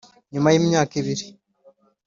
Nyuma y’imyaka ibiri,